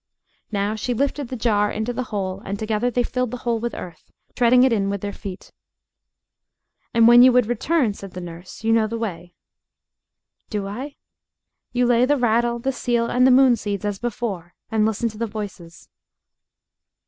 Now she lifted the jar into the hole, and together they filled the hole with earth, treading it in with their feet. "And when you would return," said the nurse, "you know the way." "Do I?" "You lay the rattle, the seal, and the moon seeds as before, and listen to the voices."